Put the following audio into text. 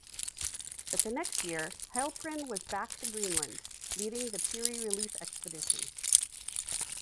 But the next year Heilprin was back to Greenland, leading the "Peary relief expedition".